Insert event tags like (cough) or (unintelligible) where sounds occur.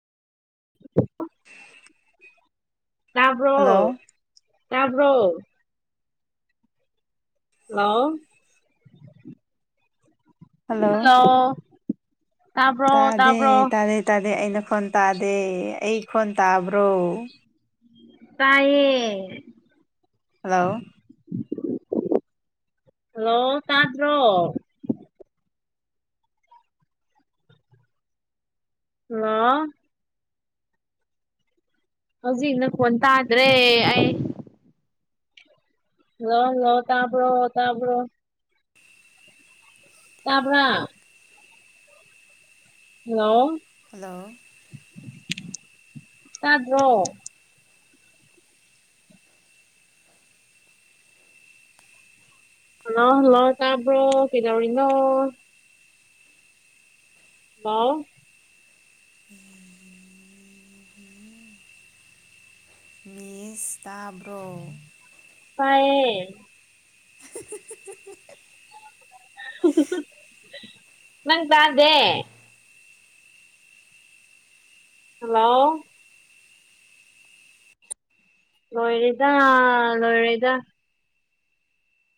(unintelligible) ꯇꯥꯕ꯭ꯔꯣ ꯍꯜꯂꯣ ꯇꯥꯕ꯭ꯔꯣ hello hello ꯇꯥꯕ꯭ꯔꯣ ꯇꯥꯗꯦ ꯇꯥꯕ꯭ꯔꯣ ꯇꯥꯗꯦ ꯇꯥꯗꯦ ꯑꯩꯅ ꯈꯣꯟ ꯇꯥꯗꯦ ꯑꯩ ꯈꯣꯟ ꯇꯥꯕ꯭ꯔꯣ ꯇꯥꯏꯌꯦ ꯍꯜꯂꯣ ꯍꯜꯂꯣ ꯇꯥꯗ꯭ꯔꯣ ꯍꯜꯂꯣ ꯍꯧꯖꯤꯛ ꯅꯈꯣꯟ ꯇꯥꯗ꯭ꯔꯦ ꯑꯩ ꯍꯜꯂꯣ ꯍꯜꯂꯣ ꯇꯥꯕ꯭ꯔꯣ ꯇꯥꯕ꯭ꯔꯣ ꯇꯥꯕ꯭ꯔꯥ ꯍꯜꯂꯣ ꯍꯜꯂꯣ ꯇꯥꯗ꯭ꯔꯣ ꯍꯜꯂꯣ ꯍꯜꯂꯣ ꯇꯥꯕ꯭ꯔꯣ ꯀꯩꯗꯧꯔꯤꯅꯣ ꯍꯜꯂꯣ ꯃꯤꯁ ꯇꯥꯕ꯭ꯔꯣ ꯇꯥꯏꯌꯦ (unintelligible) ꯅꯪ ꯇꯥꯥꯗꯦ ꯍꯜꯂꯣ ꯂꯣꯏꯔꯦꯗ ꯂꯣꯏꯔꯦꯗ